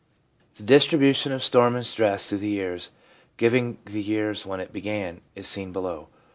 The distribution of storm and stress through the years, giving the years when it began, is seen below.